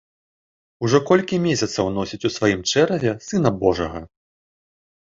Ужо колькі месяцаў носіць у сваім чэраве сына божага.